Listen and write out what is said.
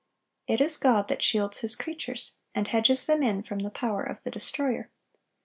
It is God that shields His creatures, and hedges them in from the power of the destroyer.